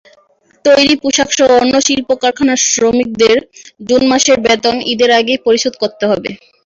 তৈরি পোশাকসহ অন্য শিল্প-কারখানার শ্রমিকদের জুন মাসের বেতন ঈদের আগেই পরিশোধ করতে হবে।